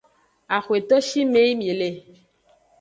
Axweto shime yi mi le.